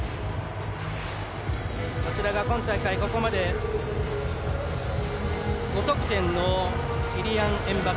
今大会、ここまで５得点のキリアン・エムバペ。